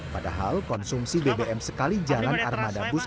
padahal konsumsi bbm sekali jalan armada bus